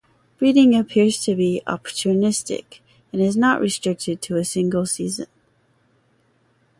Breeding appears to be opportunistic and is not restricted to a single season.